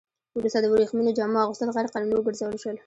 وروسته د ورېښمينو جامو اغوستل غیر قانوني وګرځول شول.